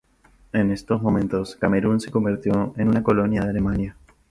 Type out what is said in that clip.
En estos momentos Camerún se convirtió en una colonia de Alemania.